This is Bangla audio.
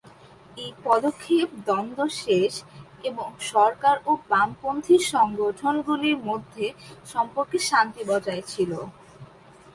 এই পদক্ষেপ দ্বন্দ্ব শেষ এবং সরকার ও বামপন্থী সংগঠনগুলির মধ্যে সম্পর্কে শান্তি বজায় ছিল।